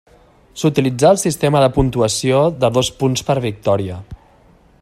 S'utilitzà el sistema de puntuació de dos punts per victòria.